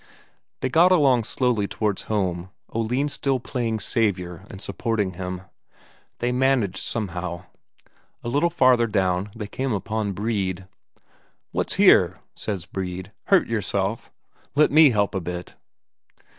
They get along slowly towards home, Oline still playing saviour and supporting him. They manage somehow. A little farther down they come upon Brede. "What's here?" says Brede. "Hurt yourself? Let me help a bit."